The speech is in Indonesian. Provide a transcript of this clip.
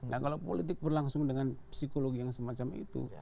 nah kalau politik berlangsung dengan psikologi yang semacam itu